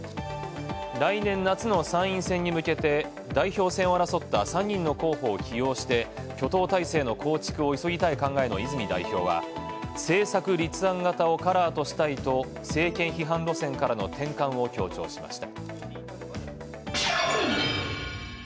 来年夏の参院選に向けて代表選を争った３人の候補を起用して挙党態勢の構築を急ぎたい考えの泉代表は、「政策立案型をカラーとしたい」と政権批判路線からの転換を強調しました。